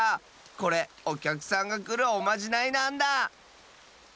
これおきゃくさんがくるおまじないなんだ！